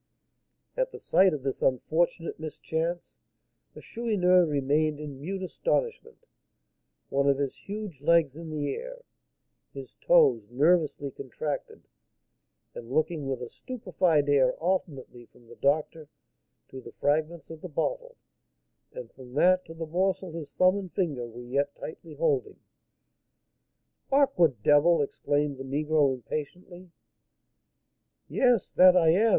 At the sight of this unfortunate mischance the Chourineur remained in mute astonishment, one of his huge legs in the air, his toes nervously contracted, and looking with a stupefied air alternately from the doctor to the fragments of the bottle, and from that to the morsel his thumb and finger were yet tightly holding. "Awkward devil!" exclaimed the negro, impatiently. "Yes, that I am!"